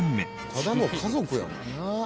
ただの家族やん。